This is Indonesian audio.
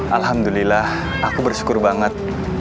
alhamdulillah aku bersyukur banget